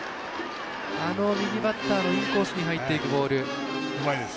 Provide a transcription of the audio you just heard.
右バッターのインコースに入っていくボール。